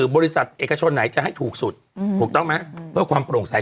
บริษัทเอกชนไหนจะให้ถูกสุดถูกต้องไหมเพื่อความโปร่งใส